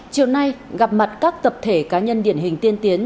chiều nay gặp mặt các tập thể cá nhân điển hình tiên tiến